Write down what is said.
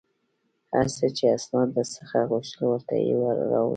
هر څه چې استاد در څخه غوښتل ورته یې راوړه